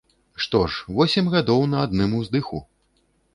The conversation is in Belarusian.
Што ж, восем гадоў на адным уздыху!